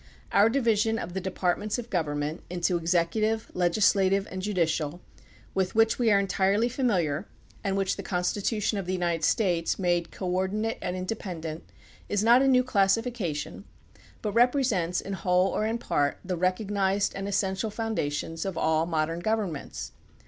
Our division of the depart ments of government into executive, legislative, and 4 THE PUBLIC OPINION BILL judicial, with which we are entirely familiar, and which the Constitution of the United States made co ordinate and independent, is not a new classification, but repre sents in whole or in part the recognized and essential foundations of all modern governments.